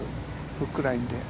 フックラインで。